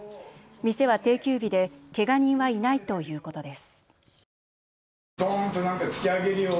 店は定休日でけが人はいないということです。